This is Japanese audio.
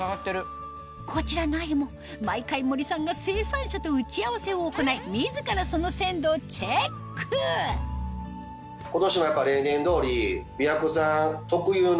こちらの鮎も毎回森さんが生産者と打ち合わせを行い自らその鮮度をチェック今年も。